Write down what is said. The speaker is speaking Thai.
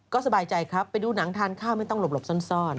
ก็สบายใจครับไปดูหนังทานข้าวไม่ต้องหลบซ่อน